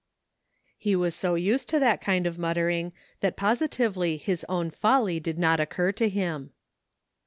He was so used to that kind of muttering that positively his own folly did not occur to him.